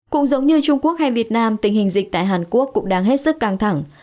cũng giống như trung quốc hay việt nam tình hình dịch tại hàn quốc cũng đang hết sức căng thẳng